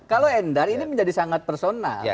kalau endar ini menjadi sangat personal